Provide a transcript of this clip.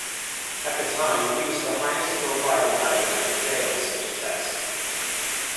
At the time, he was the highest-profile driver to fail such a test.